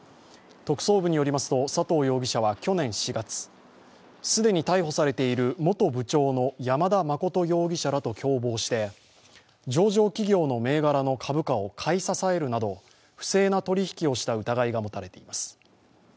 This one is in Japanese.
特捜部によりますと佐藤容疑者は去年４月、既に逮捕されている本部長の山田誠容疑者らと共謀して、上場企業の銘柄の株式を買い支えるなど、不正な取り引きをした疑いが持たれています。